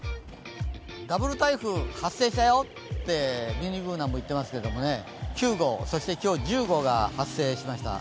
ダブル台風、発生したよってミニＢｏｏｎａも言っていますえど、９号、そして１０号が今日発生しました。